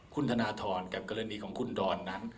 คุณธนทรกับกรณีของคุณดอนนั้น